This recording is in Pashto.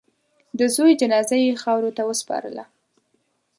د زوی جنازه یې خاورو ته وسپارله.